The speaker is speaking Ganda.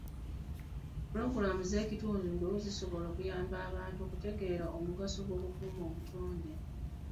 Pulogulaamu z'ekitundu zisobola okuyamba abantu okutegeera omugaso gw'okukuuma obutonde.